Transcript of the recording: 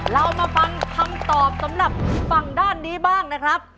เรามาฟังคำตอบสำหรับฝั่งด้านนี้บ้างนะครับ